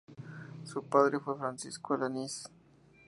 Su padre fue Francisco Alanís.